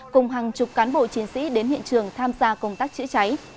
cùng hàng chục cán bộ chiến sĩ đến hiện trường tham gia công tác chữa cháy